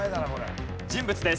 人物です。